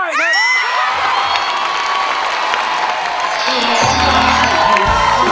ร้องได้ร้องได้